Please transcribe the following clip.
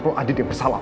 kalau ada yang bersalah